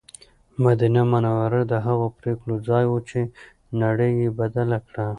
مدینه منوره د هغو پرېکړو ځای و چې نړۍ یې بدله کړه.